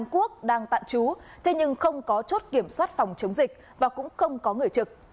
quốc đang tạm trú thế nhưng không có chốt kiểm soát phòng chống dịch và cũng không có người trực